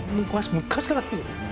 昔から好きですね。